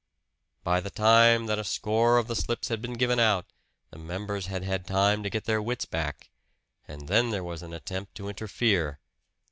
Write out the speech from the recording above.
By the time that a score of the slips had been given out the members had had time to get their wits back, and then there was an attempt to interfere.